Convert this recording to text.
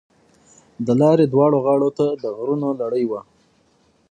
د لارې دواړو غاړو ته د غرونو لړۍ وه.